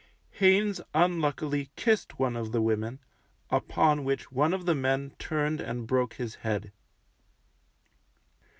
Haynes unluckily kissed one of the women, upon which one of the men turned and broke his head.